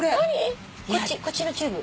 こっちのチューブ。